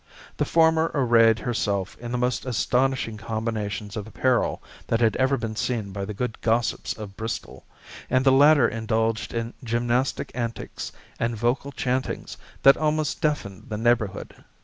The former arrayed herself in the most astonishing combinations of apparel that had ever been seen by the good gossips of Bristol, and the latter indulged in gymnastic antics and vocal chantings that almost deafened the neighborhood.